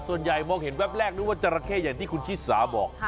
ส่วนใหญ่มองเห็นแวบแรกนึกว่าจราเข้อย่างที่คุณชิสาบอก